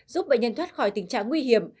giúp bệnh nhân thoát khỏi tình trạng nguy hiểm